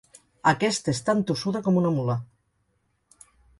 Aquesta és tan tossuda com una mula.